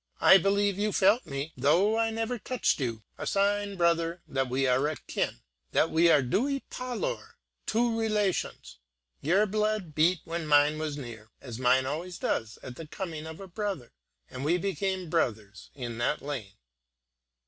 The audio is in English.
I believe you felt me, though I never touched you; a sign, brother, that we are akin, that we are dui palor two relations. Your blood beat when mine was near, as mine always does at the coming of a brother; and we became brothers in that lane."